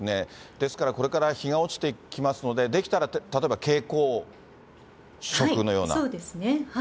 ですから、これから日が落ちてきますので、そうですね。